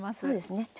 そうですね。